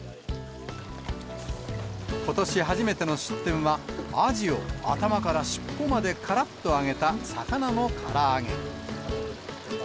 ことし初めての出店は、あじを頭から尻尾までからっと揚げた魚のから揚げ。